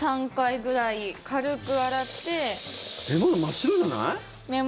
まだ真っ白じゃない？